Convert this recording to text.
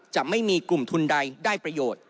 จะไม่มีกลุ่มทุนใดได้ประโยชน์